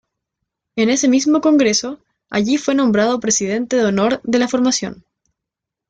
En ese mismo congreso, Allí fue nombrado presidente de honor de la formación.